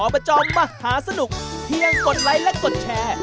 บจมหาสนุกเพียงกดไลค์และกดแชร์